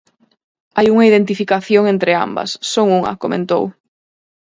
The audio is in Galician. Hai unha identificación entre ambas: son unha, comentou.